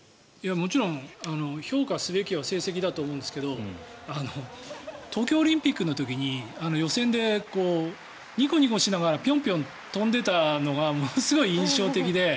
もちろん評価すべきは成績だと思うんですけど東京オリンピックの時に予選でニコニコしながらピョンピョン跳んでいたのがすごく印象的で。